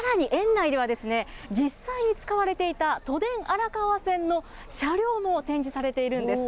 さらに、園内では実際に使われていた都電荒川線の車両も展示されているんです。